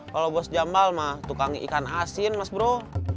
kalau bos jamal mah tukang ikan asin mas bro